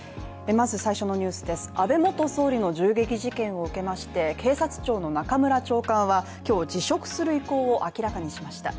安倍元総理の銃撃事件を受けまして警察庁の中村長官は今日、辞職する意向を明らかにしました。